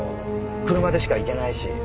車でしか行けないし。